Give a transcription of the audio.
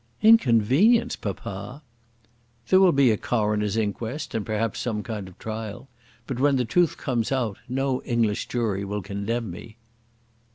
"Inconvenience, papa!" "There will be a coroner's inquest, and perhaps some kind of trial. But when the truth comes out no English jury will condemn me."